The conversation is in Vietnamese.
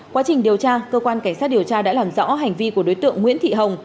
quá trình điều tra cơ quan cảnh sát điều tra đã làm rõ hành vi của đối tượng nguyễn thị hồng